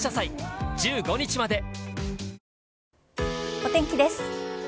お天気です。